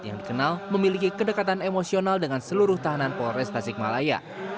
yang dikenal memiliki kedekatan emosional dengan seluruh tahanan polres tasikmalaya